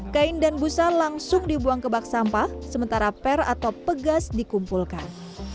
kain dan busa langsung dibuang ke bak sampah sementara per atau pegas dikumpulkan